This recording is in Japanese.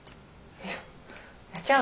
いやちゃうやん。